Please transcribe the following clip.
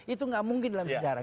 itu nggak mungkin dalam sejarah